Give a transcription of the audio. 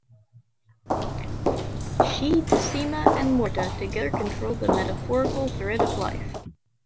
She, Decima and Morta together controlled the metaphorical thread of life.